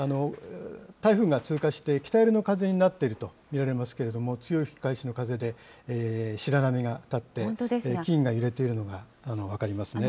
台風が通過して、北寄りの風になっていると見られますけれども、強い吹き返しの風で白波が立って、木々が揺れているのが分かりますね。